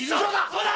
そうだ！